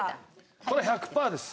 これ１００パーです。